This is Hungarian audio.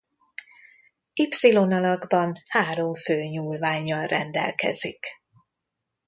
Y alakban három fő nyúlvánnyal rendelkezik.